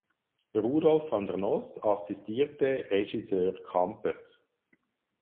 Rudolf van der Noss assistierte Regisseur Kampers.